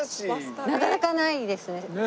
なかなかないですね。